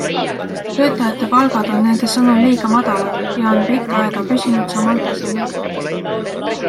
Töötajate palgad on nende sõnul liiga madalad ja on pikka aega püsinud samal tasemel.